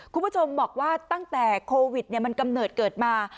คุณผู้ชมบอกว่าตั้งแต่โควิดมันกำเนิดเกิดมา